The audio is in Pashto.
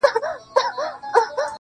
ژوند څه دی پيل يې پر تا دی او پر تا ختم.